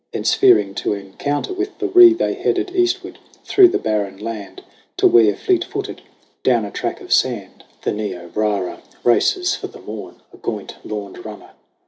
Thence, fearing to encounter with the Ree, They headed eastward through the barren land To where, fleet footed down a track of sand, JAMIE in The Niobrara races for the morn A gaunt loined runner.